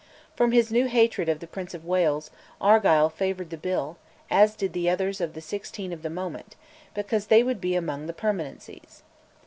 From his new hatred of the Prince of Wales, Argyll favoured the Bill, as did the others of the sixteen of the moment, because they would be among the permanencies.